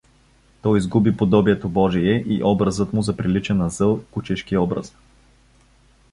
Той изгуби подобието божие и образът му заприлича на зъл кучешки образ.